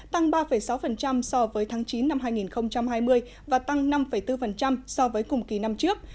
tăng ba sáu so với tháng chín năm hai nghìn hai mươi và tăng năm bốn so với cùng kỳ năm trước